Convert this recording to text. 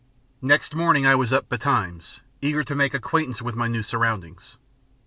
Next morning I was up betimes, eager to make acquaintance with my new surroundings.